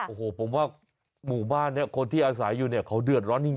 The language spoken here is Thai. โอ้โหผมว่าหมู่บ้านนี้คนที่อาศัยอยู่เนี่ยเขาเดือดร้อนจริง